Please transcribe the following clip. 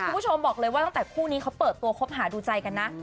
คุณผู้ชมบอกเลยว่าตั้งแต่คู่นี้เขาเปิดตัวคบหาดูใจกันนะ